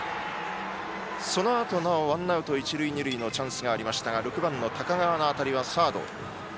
そのあとなおワンアウト一塁二塁のチャンスがありましたが６番の高川の当たりはサード。